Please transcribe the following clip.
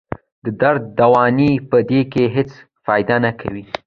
د درد دوايانې پۀ دې کښې هېڅ فائده نۀ کوي